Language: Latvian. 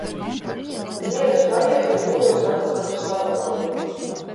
Tak dienas paiet un dodos atpakaļ uz sanatoriju.